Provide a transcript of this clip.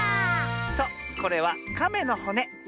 そうこれはカメのほね。